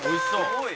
「すごい！」